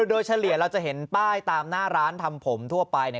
โดยเฉลี่ยเราจะเห็นป้ายตามหน้าร้านทำผมทั่วไป